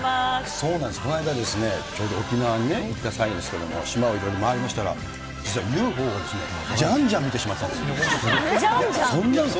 そうなんです、この間、ちょうど沖縄にいった際ですけども、島をいろいろ回りましたら、実はＵＦＯが、じゃんじゃん見てじゃんじゃん？